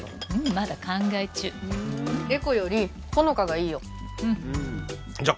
まだ考え中笑子よりほのかがいいようんじゃあ